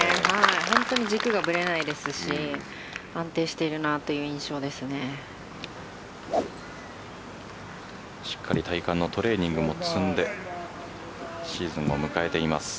本当に軸がぶれないですし安定しているなというしっかり体幹のトレーニングも積んでシーズンを迎えています。